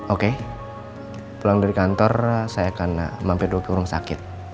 oke pulang dari kantor saya akan mampir di dokter urung sakit